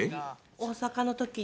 大阪の時に。